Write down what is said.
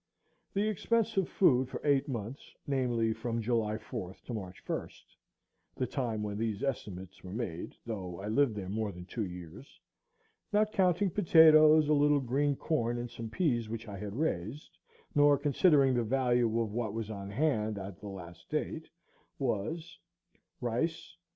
The expense of food for eight months, namely, from July 4th to March 1st, the time when these estimates were made, though I lived there more than two years,—not counting potatoes, a little green corn, and some peas, which I had raised, nor considering the value of what was on hand at the last date, was Rice